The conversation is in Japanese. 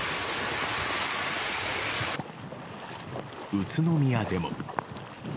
宇都宮でも。